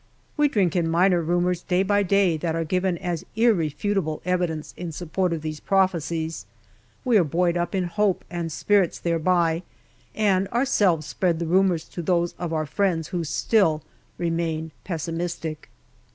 We drink in minor rumours day by day that are given as irrefutable evidence in support of these prophecies ; we are buoyed up in hope and spirits thereby, and ourselves spread the rumours to those of our friends who still remain pessimistic.